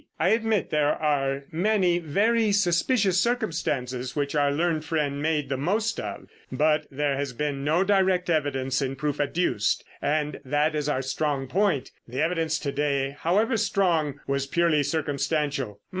I admit there are many very suspicious circumstances, which our learned friend made the most of; but there has been no direct evidence in proof adduced, and that is our strong point. The evidence to day, however strong, was purely circumstantial.